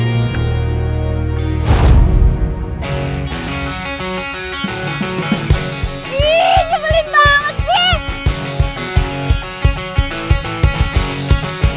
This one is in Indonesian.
ihh cabalin banget sih